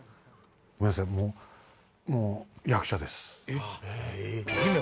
ごめんなさい役者です。